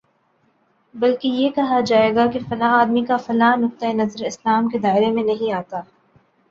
بلکہ یہ کہا جائے گا کہ فلاں آدمی کا فلاں نقطۂ نظر اسلام کے دائرے میں نہیں آتا